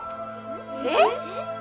えっ！